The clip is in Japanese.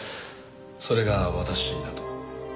それが私だと？